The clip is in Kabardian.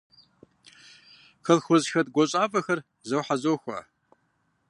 Колхозхэт гуащӀафӀэхэр зохьэзохуэ.